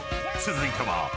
［続いては］